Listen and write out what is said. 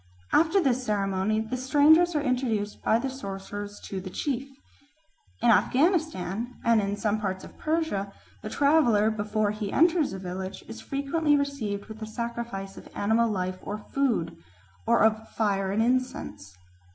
After this ceremony the strangers are introduced by the sorcerers to the chief. In Afghanistan and in some parts of Persia the traveller, before he enters a village, is frequently received with a sacrifice of animal life or food, or of fire and incense.